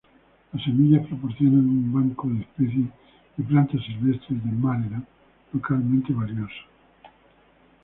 Las semillas proporcionan un "banco" de especies de plantas silvestres de Maryland localmente valioso.